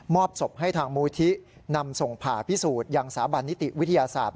อบศพให้ทางมูลที่นำส่งผ่าพิสูจน์ยังสถาบันนิติวิทยาศาสตร์